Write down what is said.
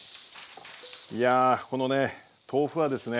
いやこのね豆腐はですね。